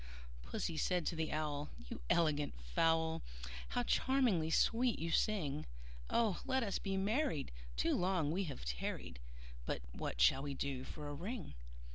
II. Pussy said to the Owl, "You elegant fowl, How charmingly sweet you sing! Oh! let us be married; too long we have tarried: But what shall we do for a ring?"